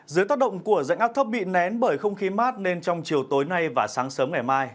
dưới tác động của dạnh áp thấp bị nén bởi không khí mát nên trong chiều tối nay và sáng sớm ngày mai